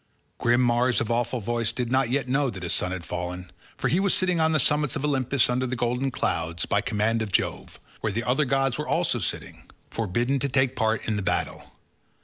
Grim Mars of awful voice did not yet know that his son had fallen, for he was sitting on the summits of Olympus under the golden clouds, by command of Jove, where the other gods were also sitting, forbidden to take part in the battle.